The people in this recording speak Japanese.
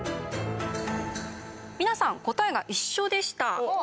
皆さん答えが一緒でした。